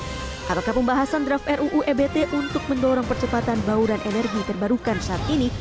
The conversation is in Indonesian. apakah pembahasan draft ruu ebt untuk mendorong percepatan bauran energi terbarukan saat ini